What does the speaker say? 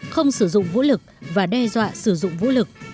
không sử dụng vũ lực và đe dọa sử dụng vũ lực